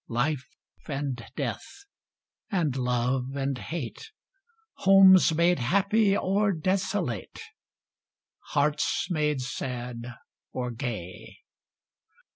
Life and death, and love and hate, Homes made happy or desolate, Hearts made sad or gay!